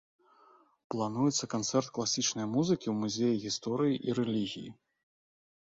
Плануецца канцэрт класічнай музыкі ў музеі гісторыі і рэлігіі.